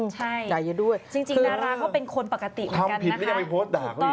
ใช่จริงดาราเขาเป็นคนปกติเหมือนกันนะครับ